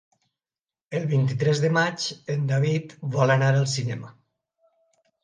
El vint-i-tres de maig en David vol anar al cinema.